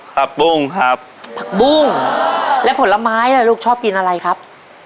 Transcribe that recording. ผักบุ้งครับผักบุ้งและผลไม้ล่ะลูกชอบกินอะไรครับ